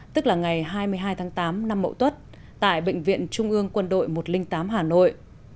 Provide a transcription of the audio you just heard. tức là ngày hai mươi hai tháng tám năm mậu tuất tại bệnh viện trung ương quân đội một trăm linh tám hà nội